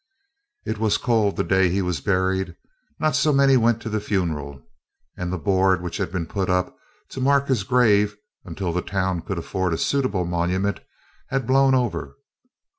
It was cold the day he was buried, so not many went to the funeral, and the board which had been put up to mark his grave, until the town could afford a suitable monument, had blown over.